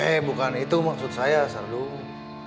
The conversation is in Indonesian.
eh bukan itu maksud saya serdu